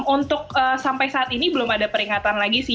untuk sampai saat ini belum ada peringatan lagi sih